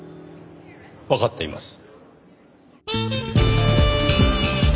わかっています。